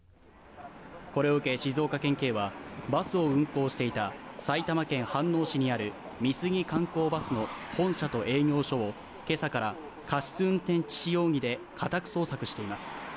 これを受け、静岡県警はバスを運行していた埼玉県飯能市にある美杉観光バスの本社と営業所を今朝から過失運転致死容疑で家宅捜索しています。